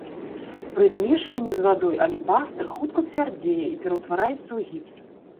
Пры змешванні з вадой алебастр хутка цвярдзее і пераўтвараецца ў гіпс.